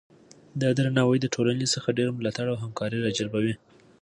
دا درناوی د ټولنې څخه ډیر ملاتړ او همکاري راجلبوي.